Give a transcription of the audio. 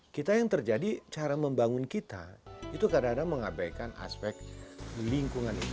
kita yang terjadi cara membangun kita itu kadang kadang mengabaikan aspek lingkungan itu